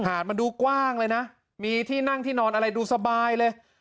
หาดมันดูกว้างเลยนะมีที่นั่งที่นอนอะไรดูสบายเลย